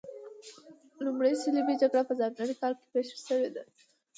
لومړۍ صلیبي جګړه په ځانګړي کال کې پیښه شوې ده.